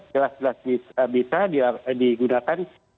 jelas jelas bisa digunakan